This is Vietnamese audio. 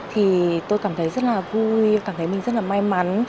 thì tôi cảm thấy rất là vui cảm thấy mình rất là may mắn